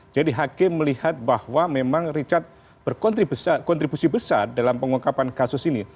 jadi hakim melihat bahwa memang richard berkontribusi besar dalam pengungkapan kasus ini